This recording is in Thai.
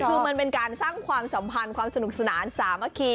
คือมันเป็นการสร้างความสัมพันธ์ความสนุกสนานสามัคคี